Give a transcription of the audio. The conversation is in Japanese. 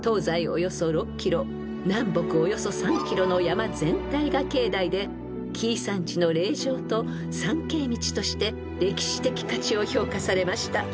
およそ６ｋｍ南北およそ３ｋｍの山全体が境内で紀伊山地の霊場と参詣道として歴史的価値を評価されました］